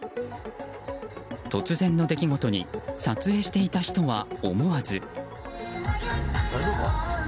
突然の出来事に撮影していた人は、思わず。